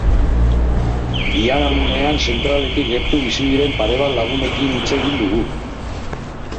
Biharamunean zentraletik gertu bizi diren pare bat lagunekin hitz egin dugu.